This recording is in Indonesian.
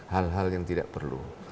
hal hal yang tidak perlu